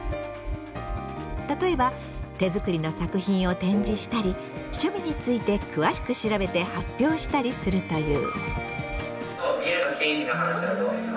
例えば手作りの作品を展示したり趣味について詳しく調べて発表したりするという。